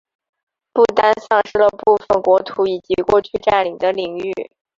不丹丧失了部分国土以及过去占领的领域。